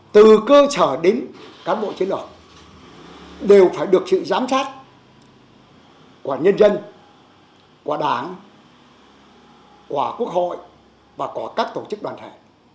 từ cơ sở đến cán bộ chiến đấu đều phải được sự giám sát của nhân dân của đảng của quốc hội và của các tổ chức đoàn thể